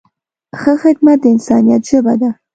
ښه خدمت د انسانیت ژبه ده.